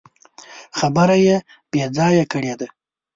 خبره يې بې ځايه کړې ده.